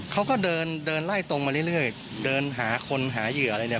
เขาก็เดินเดินไล่ตรงมาเรื่อยเดินหาคนหาเหยื่ออะไรเนี่ย